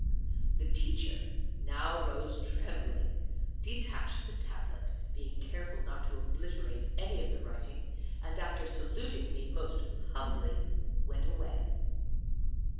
The Teacher now rose trembling, detached the Tablet (being careful not to obliterate any of the writing), and, after saluting me most humbly, went away.